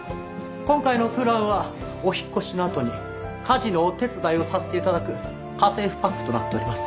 今回のプランはお引っ越しのあとに家事のお手伝いをさせて頂く家政婦パックとなっております。